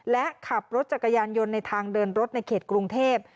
และขับรถจักรยานยนต์ในทางเดินรถในเขตกรุงเทพ